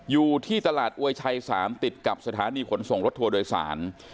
อยู่ที่ตลาดอวยชัย๓ติดกับสถานีขนส่งรถทัวร์โดยสาร